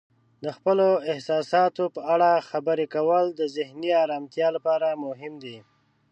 د خپلو احساساتو په اړه خبرې کول د ذهني آرامتیا لپاره مهم دی.